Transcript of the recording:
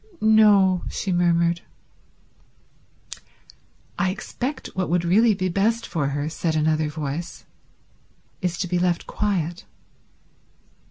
.. "No," she murmured. "I expect what would really be best for her," said another voice, "is to be left quiet."